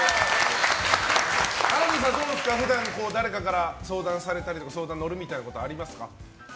安藤さん、普段から誰かから相談されたり相談に乗るみたいなことありますか？